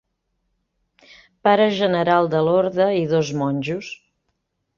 Pare General de l'orde i dos monjos.